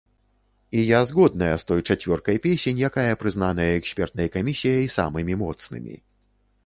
І я згодная з той чацвёркай песень, якая прызнаная экспертнай камісіяй самымі моцнымі.